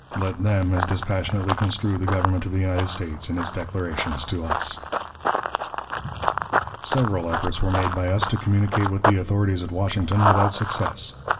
Let them as dispassionately construe the Government of the United States in its declarations to us. Several efforts were made by us to communicate with the authorities at Washington without success.